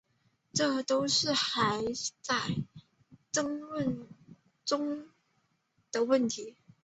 这都是还在争论中的问题。